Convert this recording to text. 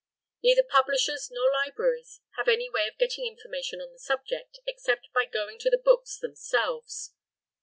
Neither publishers nor libraries have any way of getting information on the subject, except by going to the books themselves.